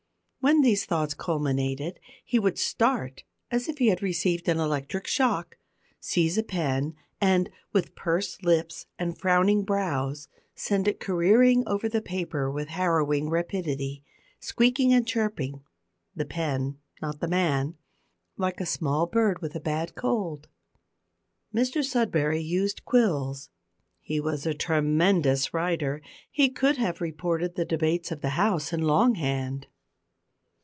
When these thoughts culminated, he would start as if he had received an electric shock, seize a pen, and, with pursed lips and frowning brows, send it careering over the paper with harrowing rapidity, squeaking and chirping, (the pen, not the man), like a small bird with a bad cold. Mr Sudberry used quills. He was a tremendous writer. He could have reported the debates of the "House" in long hand.